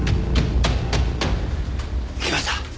行きました。